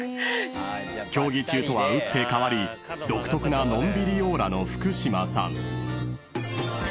［競技中とは打って変わり独特なのんびりオーラの福島さん］